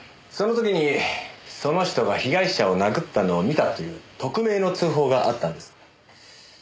その時にその人が被害者を殴ったのを見たという匿名の通報があったんです。